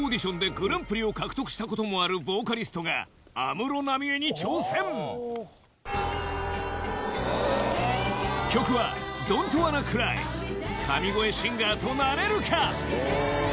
グランプリを獲得したこともあるボーカリストが安室奈美恵に挑戦曲は神声シンガーとなれるか？